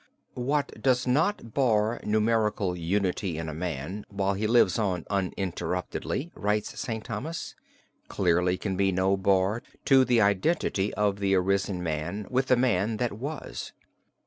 "What does not bar numerical unity in a man while he lives on uninterruptedly (writes St. Thomas), clearly can be no bar to the identity of the arisen man with the man that was.